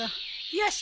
よし！